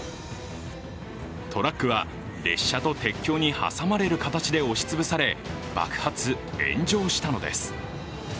トラックは列車と鉄橋に挟まれる形で押しつぶされ爆発・炎上したのです。